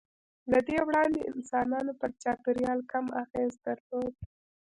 له دې وړاندې انسانانو پر چاپېریال کم اغېز درلود.